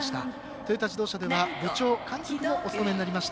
トヨタ自動車では部長監督もお務めになりました。